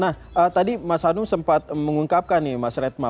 nah tadi mas hanu sempat mengungkapkan nih mas retma